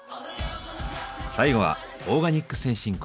最後はオーガニック先進国